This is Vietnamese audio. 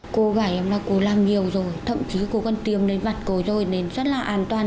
cô gái em là cô làm nhiều rồi thậm chí cô còn tiêm đến mặt cô rồi nên rất là an toàn